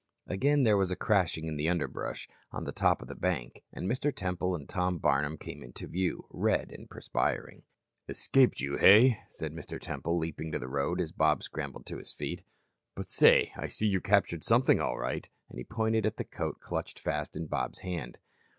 Again there was a crashing in the underbrush on the top of the bank, and Mr. Temple and Tom Barnum came into view, red and perspiring. "Escaped you, hey?" said Mr. Temple, leaping to the road, as Bob scrambled to his feet. "But, say, I see you captured something all right." And he pointed to a coat clutched fast in Bob's hand.